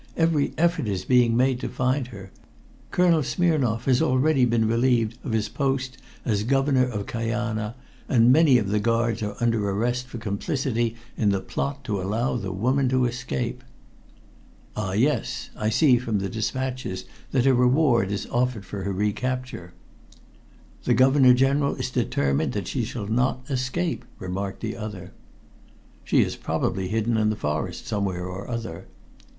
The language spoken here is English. Every effort is being made to find her. Colonel Smirnoff has already been relieved of his post as Governor of Kajana, and many of the guards are under arrest for complicity in the plot to allow the woman to escape." "Ah, yes. I see from the despatches that a reward is offered for her recapture." "The Governor General is determined that she shall not escape," remarked the other. "She is probably hidden in the forest, somewhere or other."